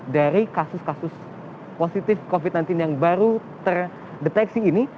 dari kasus kasus positif covid sembilan belas yang baru terdeteksi ini